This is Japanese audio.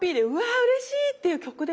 うれしいっていう曲でも。